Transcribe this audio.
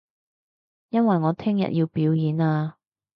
因為我聽日要表演啊